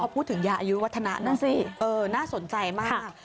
พูดถึงยาอายุอาณาน่าสนใจมาก